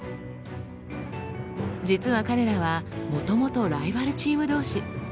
実は彼らはもともとライバルチーム同士。